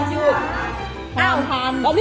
กลับมารมันทราบ